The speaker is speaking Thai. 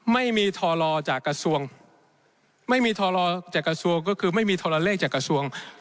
ไม่มีทรจากกระทรวงไม่มีทรลอจากกระทรวงก็คือไม่มีทรเลขจากกระทรวง